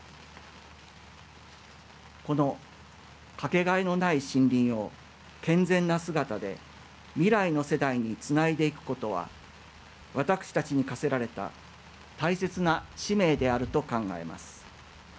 この、かけがえのない森林を健全な姿で未来の世代につないでいくことは私たちに課せられた大切な使命であると考えます。